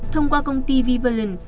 thông qua công ty vivalent